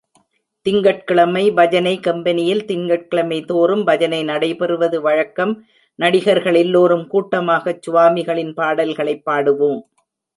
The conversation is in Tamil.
திங்கட்கிழமை பஜனை கம்பெனியில் திங்கட்கிழமைதோறும் பஜனை நடைபெறுவது வழக்கம், நடிகர்கள் எல்லோரும் கூட்டமாகச் சுவாமிகளின் பாடல்களைப் பாடுவோம்.